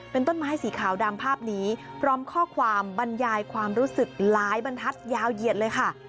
เป็นต้นไม้สีขาวดำภาพนี้พร้อมข้อความบรรยายความรู้สึกหลายบรรทัศน์ยาวเหยียดเลยค่ะ